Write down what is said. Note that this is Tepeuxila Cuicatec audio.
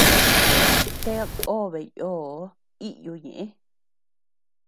Ted obe yoo iyu ñëʼe.